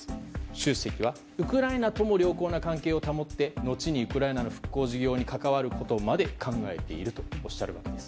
習主席はウクライナとも良好な関係を保って後にウクライナの復興事業に関わることまで考えているとおっしゃるわけです。